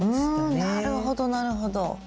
うんなるほどなるほど。